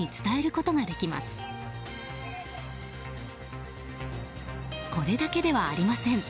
これだけではありません。